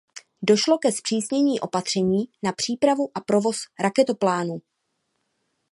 Došlo ke zpřísnění opatření na přípravu a provoz raketoplánů.